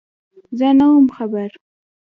_زه نه وم خبر.